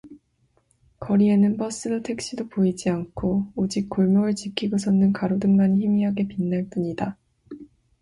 거리에는 버스도 택시도 보이지 않고 오직 골목을 지키고 섰는 가로등만이 희미하게 빛날 뿐이다.